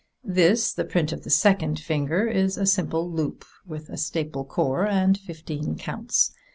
This, the print of the second finger, is a simple loop, with a staple core and fifteen counts.